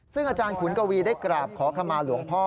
ซึ่งอาจารย์ขุนกวีได้กราบขอขมาหลวงพ่อ